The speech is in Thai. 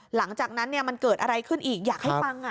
หลังจากนั้นมันเกิดอะไรขึ้นอีกอยากให้ฟัง